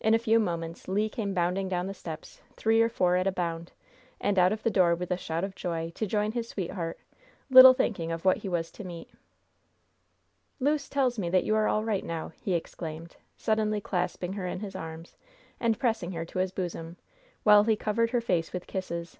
In a few moments Le came bounding down the steps, three or four at a bound, and out of the door with a shout of joy, to join his sweetheart, little thinking of what he was to meet. "Luce tells me that you are all right now!" he exclaimed, suddenly clasping her in his arms and pressing her to his bosom, while he covered her face with kisses.